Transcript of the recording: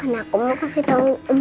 karena aku mau kasih tanggung jawab